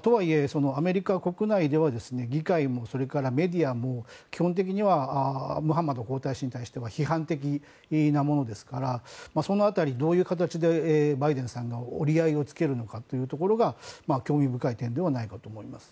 とはいえ、アメリカ国内では議会もメディアも基本的にはムハンマド皇太子に対しては批判的なものですからその辺りどういう形でバイデンさんが折り合いをつけるのかというところが興味深い点ではないかと思います。